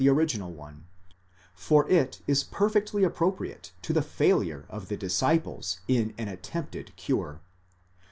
original one, for it is perfectly appropriate to a failure of the disciples in an attempted cure.